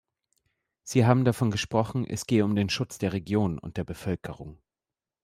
Sie haben davon gesprochen, es gehe um den Schutz der Region und der Bevölkerung.